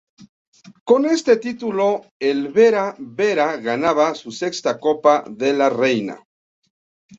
Con este título el Bera Bera ganaba su sexta Copa de la Reina.